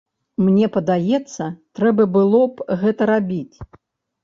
Мне падаецца, трэба было б гэта рабіць.